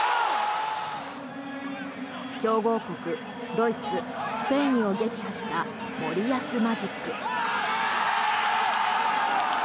強豪国ドイツ、スペインを撃破した森保マジック。